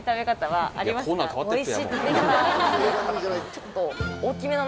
はい。